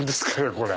これ。